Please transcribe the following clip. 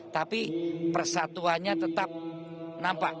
tapi persatuannya tetap nampak